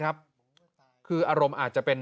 อารมณ์อาจเป็น